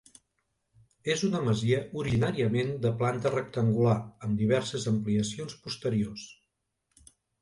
És una masia originàriament de planta rectangular, amb diverses ampliacions posteriors.